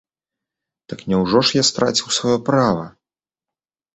Так няўжо ж я страціў сваё права?